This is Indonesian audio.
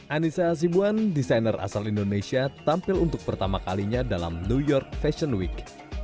anissa hasibuan desainer asal indonesia tampil untuk pertama kalinya dalam new york fashion week